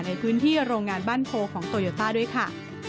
ในพื้นที่โรงงานบ้านโพของโตโยต้าด้วยค่ะ